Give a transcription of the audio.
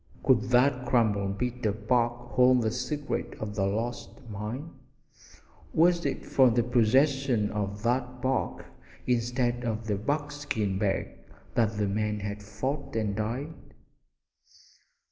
Could that crumpled bit of bark hold the secret of the lost mine? Was it for the possession of that bark instead of the buckskin bag that the men had fought and died?